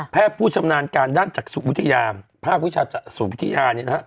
แพทย์ผู้ชำนาญการด้านจากศูนยาภาพวิชาศูนยา